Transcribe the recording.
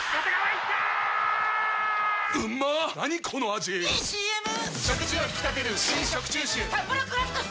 ⁉いいＣＭ！！